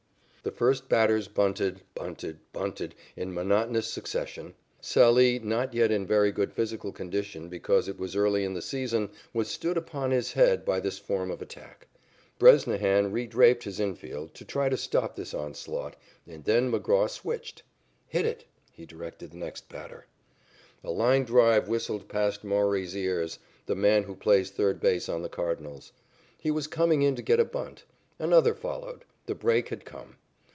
The first batters bunted, bunted, bunted in monotonous succession. Sallee not yet in very good physical condition because it was early in the season, was stood upon his head by this form of attack. Bresnahan redraped his infield to try to stop this onslaught, and then McGraw switched. "Hit it," he directed the next batter. A line drive whistled past Mowrey's ears, the man who plays third base on the Cardinals. He was coming in to get a bunt. Another followed. The break had come.